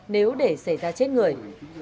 nếu để xảy ra chết người